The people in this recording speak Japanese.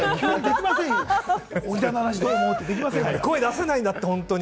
声出せないんだって、本当に。